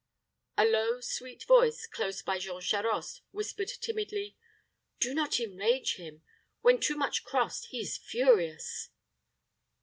A low, sweet voice, close by Jean Charost, whispered timidly, "Do not enrage him. When too much crossed, he is furious."